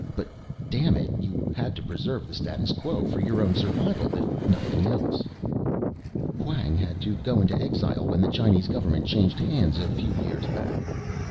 But damn it, you had to preserve the status quo, for your own survival if nothing else. "Hwang had to go into exile when the Chinese government changed hands a few years back.